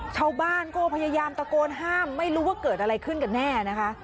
ชาวบ้านก็พยายามตะโกนห้ามไม่รู้ว่าเกิดอะไรขึ้นกันแน่นะคะ